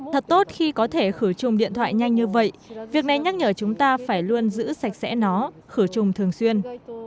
thật tốt khi có thể khử trùng điện thoại nhanh như vậy việc này nhắc nhở chúng ta phải luôn giữ sạch sẽ nó khử trùng thường xuyên